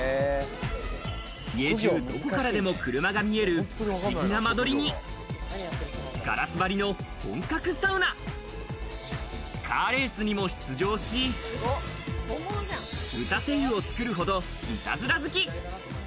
家中どこからでも車が見える不思議な間取りに、ガラス張りの本格サウナ、カーレースにも出場し、打たせ湯を作るほどイタズラ好き。